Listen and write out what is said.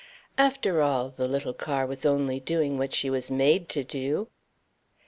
"After all, the little car was only doing what she was made to do."